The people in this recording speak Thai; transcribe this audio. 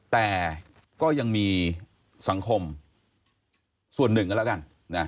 แต่ก็ยังมีสังคมส่วนหนึ่งกันแล้วกัน